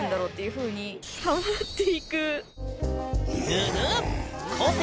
ぬぬっ！